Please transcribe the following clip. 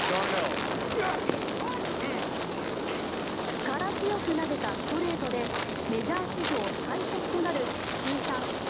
力強く投げたストレートでメジャー史上最速となる通算１６００